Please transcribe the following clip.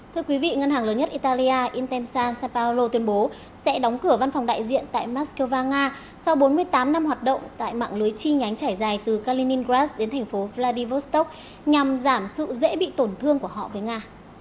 thưa quý vị ngân hàng lớn nhất italia intensa saparo tuyên bố sẽ đóng cửa văn phòng đại diện tại moscow nga sau bốn mươi tám năm hoạt động tại mạng lưới chi nhánh trải dài từ kaliningras đến thành phố vladivostok nhằm giảm sự dễ bị tổn thương của họ với nga